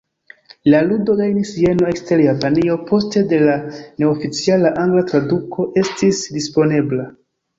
La ludo gajnis jeno ekster Japanio poste de la neoficiala angla traduko estis disponebla.